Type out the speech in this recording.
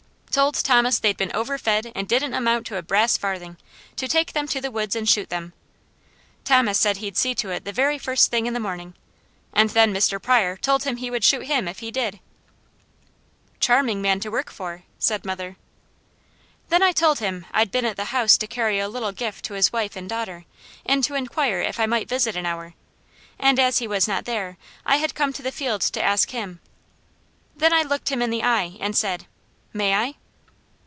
"Told Thomas they'd been overfed and didn't amount to a brass farthing; to take them to the woods and shoot them. Thomas said he'd see to it the very first thing in the morning, and then Mr. Pryor told him he would shoot him if he did." "Charming man to work for," said mother. "Then I told him I'd been at the house to carry a little gift to his wife and daughter, and to inquire if I might visit an hour, and as he was not there, I had come to the field to ask him. Then I looked him in the eye and said: 'May I?'